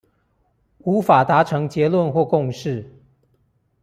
無法達成結論或共識